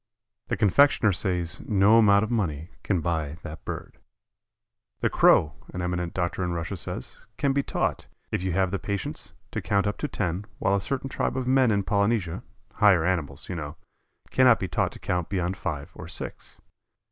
The confectioner says no amount of money can buy that bird. The Crow, an eminent doctor in Russia says, can be taught, if you have the patience, to count up to ten, while a certain tribe of men in Polynesia, "higher" animals, you know, cannot be taught to count beyond five or six.